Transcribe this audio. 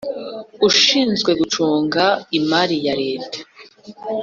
ushinzwe Gucunga Imari ya Leta